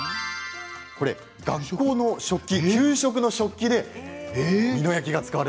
これは学校の食器、給食の食器です。